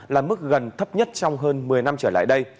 là mức gần thấp nhất trong hơn một mươi năm trở lại đây